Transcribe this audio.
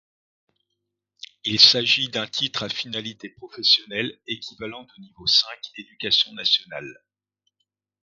Il s’agit d’un Titre à Finalité Professionnelle équivalent de niveau V éducation nationale.